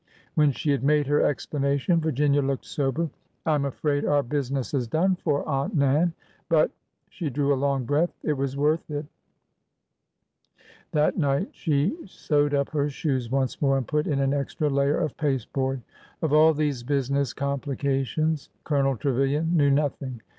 '' When she had made her explanation Virginia looked sober. ''I'm afraid our business is done for. Aunt Nan} But ''—she drew a long breath—" it was worth it! " That night she sewed up her shoes once more and put in an extra layer of pasteboard. Of all these business complications Colonel Trevilian knew nothing.